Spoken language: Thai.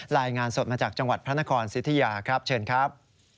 รายงานสดมาจากจังหวัดพระนครสิทธิยาครับเชิญครับ